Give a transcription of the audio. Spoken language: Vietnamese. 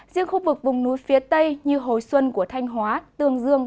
riêng khu vực vùng núi phía tây như hồi xuân của thanh hóa tương dương